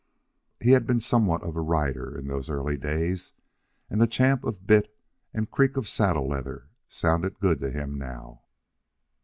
He had been somewhat of a rider in those early days, and the champ of bit and creak of saddle leather sounded good to him now.